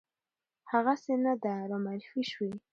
هغسې نه ده رامعرفي شوې